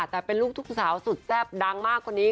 แต่เป็นลูกทุกสาวสุดแซ่บดังมากคนนี้